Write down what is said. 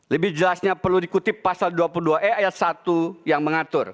lebih jelasnya perlu dikutip pasal dua puluh dua e ayat satu yang mengatur